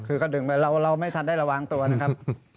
คือก็ดึงไปเราไม่ทันได้ระวังตัวนะครับ